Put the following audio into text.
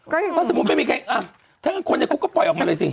ถ้าสมมุติไม่มีใครอ่ะทั้งคนในคุกก็ปล่อยออกมาเลยสิ